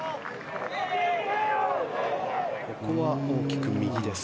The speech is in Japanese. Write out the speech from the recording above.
ここは大きく右です。